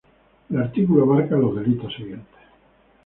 El artículo abarcaba los delitos siguientes.